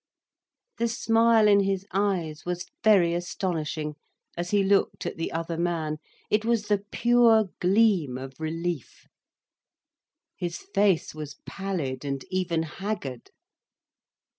The smile in his eyes was very astonishing, as he looked at the other man. It was the pure gleam of relief. His face was pallid and even haggard.